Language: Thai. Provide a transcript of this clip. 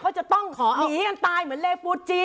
เขาจะต้องหนีกันตายเหมือนเลปูจี